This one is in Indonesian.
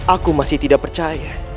aku masih tidak percaya